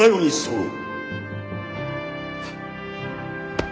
おう。